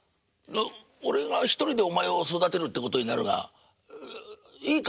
「俺が１人でお前を育てるってことになるがいいか？」。